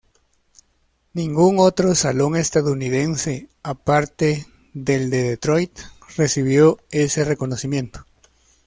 Ningún otro salón estadounidense aparte del de Detroit recibió ese reconocimiento.